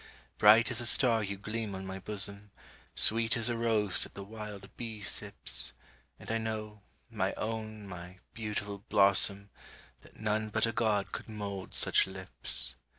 Bright as a star you gleam on my bosom, Sweet as a rose that the wild bee sips; And I know, my own, my beautiful blossom, That none but a God could mould such lips.